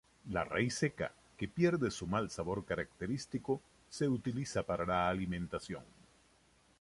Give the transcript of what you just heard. La raíz seca, que pierde su mal sabor característico, se utiliza para la alimentación.